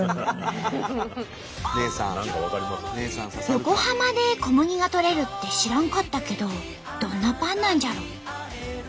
横浜で小麦がとれるって知らんかったけどどんなパンなんじゃろ？